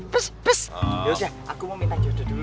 terus yaudah aku mau minta jodoh dulu